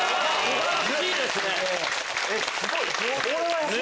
すごい！